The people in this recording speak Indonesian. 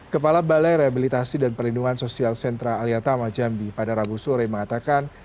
kepala balai rehabilitasi dan perlindungan sosial sentra alia tama jambi pada ragu sore mengatakan